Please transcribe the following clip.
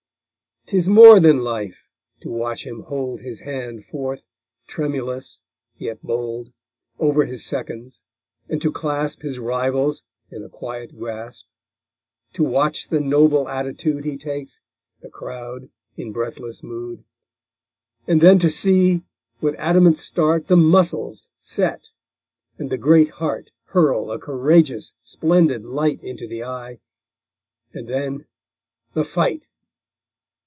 'Tis more than life, to watch him hold His hand forth, tremulous yet bold, Over his second's, and to clasp His rival's in a quiet grasp; To watch the noble attitude He takes, the crowd in breathless mood, And then to see, with adamant start, The muscles set, and the great heart Hurl a courageous, splendid light Into the eye, and then the_ FIGHT.